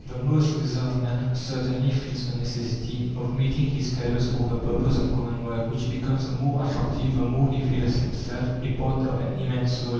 The most reserved man certainly feels the necessity of meeting his fellows for the purpose of common work, which becomes the more attractive the more he feels himself a part of an immense whole.